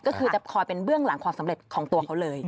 ก็คือจะคอยเป็นเบื้องหลังความสำเร็จของตัวเขาเลย